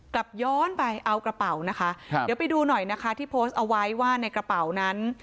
กลับย้อนไปเอากระเป๋านะคะครับเดี๋ยวไปดูหน่อยนะคะที่โพสต์เอาไว้ว่าในกระเป๋านั้น